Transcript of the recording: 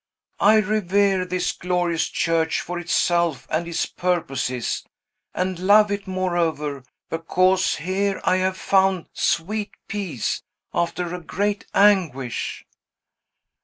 I revere this glorious church for itself and its purposes; and love it, moreover, because here I have found sweet peace, after' a great anguish."